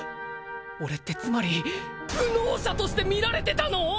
俺ってつまり不能者として見られてたの！？